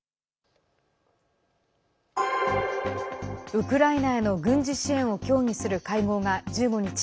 ウクライナへの軍事支援を協議する会合が１５日